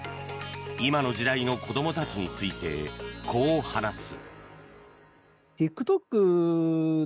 今の時代の子どもたちについてこう話す。